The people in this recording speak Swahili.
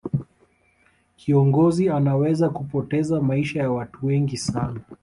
kiongozi anaweza kupoteza maisha ya watu wengi sana